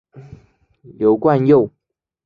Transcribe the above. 刘冠佑。